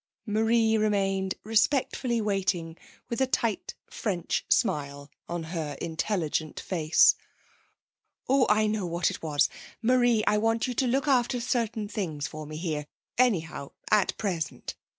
Marie remained respectfully waiting, with a tight French smile on her intelligent face. 'Oh, I know what it was. Marie, I want you to look after certain things for me here anyhow, at present.